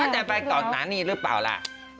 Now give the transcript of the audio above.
พาถ่ายไปนั้นก่อนหน้านี้หรือเปล่าล่ะ